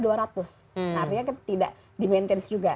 artinya kan tidak di maintainse juga